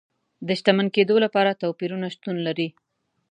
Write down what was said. د شتمن کېدو لپاره توپیرونه شتون لري.